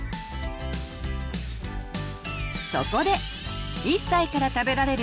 そこで「１歳から食べられる！